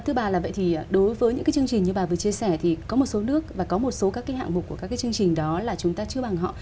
thưa bà là vậy thì đối với những chương trình như bà vừa chia sẻ thì có một số nước và có một số các hạng mục của các chương trình đó là chúng ta chưa bằng họ